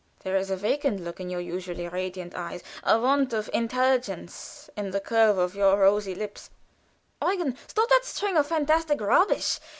There is a vacant look in your usually radiant eyes; a want of intelligence in the curve of your rosy lips " "Eugen! Stop that string of fantastic rubbish!